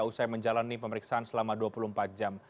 usai menjalani pemeriksaan selama dua puluh empat jam